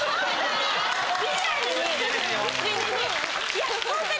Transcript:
いやホントに。